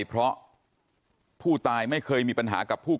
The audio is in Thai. เพราะผู้ตายไม่เคยมีปัญหากับผู้